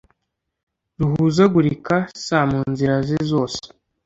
r uhuzagurika s mu nzira ze zose